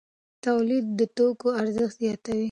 تولید د توکو ارزښت زیاتوي.